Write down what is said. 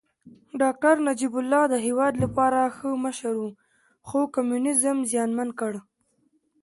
داکتر نجيب الله د هېواد لپاره ښه مشر و خو کمونيزم زیانمن کړ